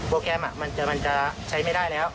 แกรมมันจะใช้ไม่ได้แล้ว